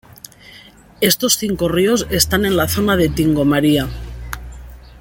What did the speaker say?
Estos cinco ríos están en la zona de Tingo María.